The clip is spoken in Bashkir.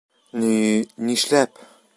Ни-нишләп?